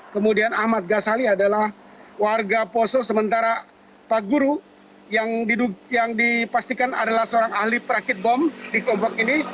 kemudian ahmad ghasali adalah warga poso sementara paguru yang dipastikan adalah seorang ahli perakit bom di kompak ini